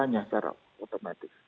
banyak secara otomatis